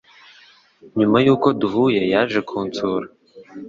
Nyuma yuko duhuye yaje kunsura